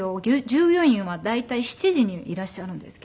従業員は大体７時にいらっしゃるんですけども。